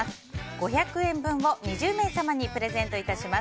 ５００円分を２０名様にプレゼントいたします。